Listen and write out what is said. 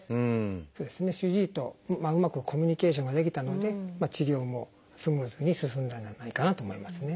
主治医とうまくコミュニケーションができたので治療もスムーズに進んだんじゃないかなと思いますね。